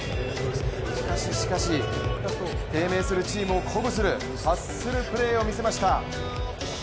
しかししかし、低迷するチームを鼓舞するハッスルプレーを見せました。